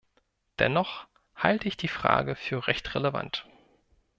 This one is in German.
Dennoch halte ich die Frage für recht relevant.